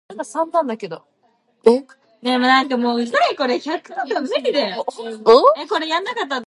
She was an occasional actress who appeared in small roles in television and film.